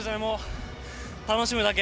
楽しむだけ。